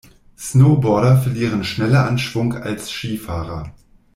Snowboarder verlieren schneller an Schwung als Skifahrer.